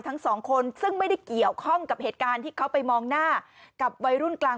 ทั้งสองคนซึ่งไม่ได้เกี่ยวข้องกับเหตุการณ์ที่เขาไปมองหน้ากับวัยรุ่นกลาง